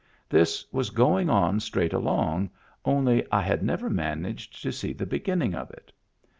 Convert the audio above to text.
This was going on straight along, only I had never managed to see the be ginning of it.